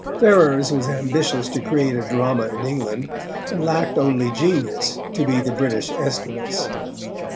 Ferrers was ambitious to create a drama in England, and lacked only genius to be the British Aeschylus.